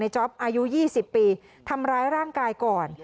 จ๊อปอายุ๒๐ปีทำร้ายร่างกายก่อน